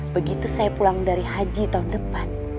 begitu saya pulang dari haji tahun depan